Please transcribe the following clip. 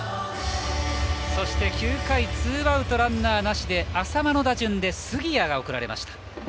９回ツーアウトランナーなしで淺間の打順で杉谷が送られました。